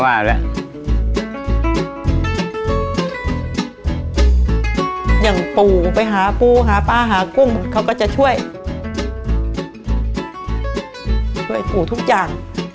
หาปูมานุ่มรุกขึ้น